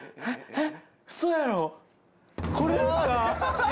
えっ！